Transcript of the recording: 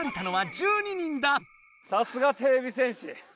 さすがてれび戦士。